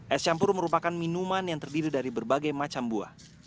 es campur merupakan minuman yang terdiri dari berbagai macam buah